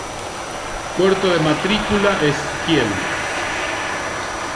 Puerto de matrícula es Kiel.